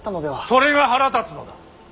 それが腹立つのだ。